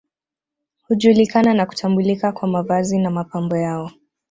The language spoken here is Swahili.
Hujulikana na kutambulika kwa mavazi na mapambo yao